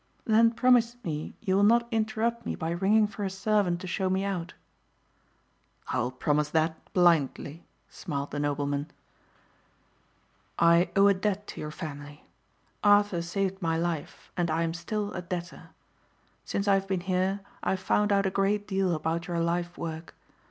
"Then promise me you will not interrupt me by ringing for a servant to show me out." "I will promise that blindly," smiled the nobleman. "I owe a debt to your family. Arthur saved my life and I am still a debtor. Since I have been here I have found out a great deal about your life work.